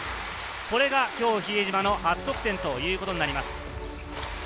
これが今日、比江島の初得点になります。